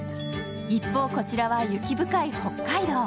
一方、こちらは雪深い北海道。